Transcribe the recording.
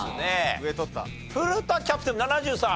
古田キャプテン７３？